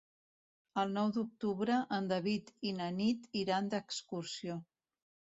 El nou d'octubre en David i na Nit iran d'excursió.